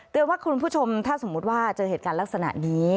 ว่าคุณผู้ชมถ้าสมมุติว่าเจอเหตุการณ์ลักษณะนี้